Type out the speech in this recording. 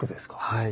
はい。